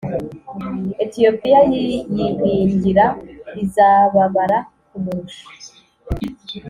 Etiyopiya yiyiringira izababara kumurusha